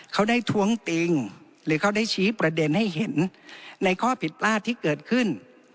เขาได้ท้วงติงหรือเขาได้ชี้ประเด็นให้เห็นในข้อผิดพลาดที่เกิดขึ้น